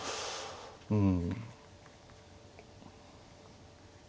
うん。